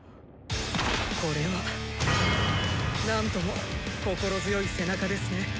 これは何とも心強い背中ですね。